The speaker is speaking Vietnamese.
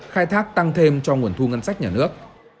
khai thác tăng thêm cho nguồn thu ngân sách nhà nước